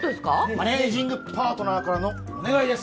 マネージングパートナーからのお願いです